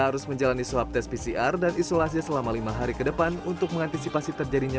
harus menjalani swab test pcr dan isolasi selama lima hari kedepan untuk mengantisipasi terjadinya